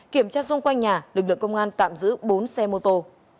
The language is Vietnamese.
kiểm tra xung quanh nhà lực lượng công an tạm giữ bốn xe mô tô